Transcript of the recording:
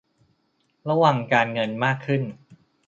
ระวังการเงินมากขึ้น